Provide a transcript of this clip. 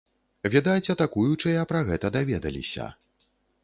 Відаць, атакуючыя пра гэта даведаліся.